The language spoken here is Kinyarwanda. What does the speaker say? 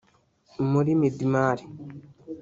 muri Midmar